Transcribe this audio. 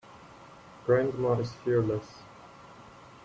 Grandma is fearless.